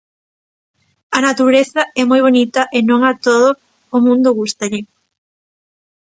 A natureza é moi bonita e non a todo o mundo gústalle.